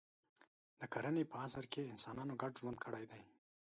د کرنې په عصر کې انسانانو ګډ ژوند کړی دی.